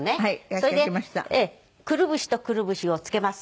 それでくるぶしとくるぶしをつけます。